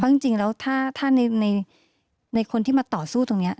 เพราะจริงจริงแล้วถ้าถ้าในในในคนที่มาต่อสู้ตรงเนี้ย